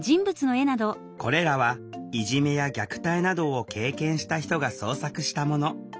これらはいじめや虐待などを経験した人が創作したもの。